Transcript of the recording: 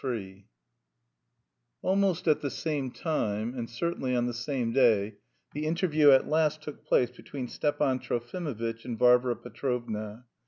III Almost at the same time, and certainly on the same day, the interview at last took place between Stepan Trofimovitch and Varvara Petrovna.